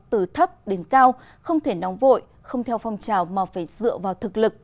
từ thấp đến cao không thể nóng vội không theo phong trào mà phải dựa vào thực lực